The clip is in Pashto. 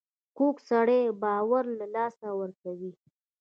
کوږ سړی باور له لاسه ورکوي